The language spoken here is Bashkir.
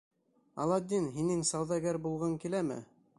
Аладдин, һинең сауҙагәр булғың киләме?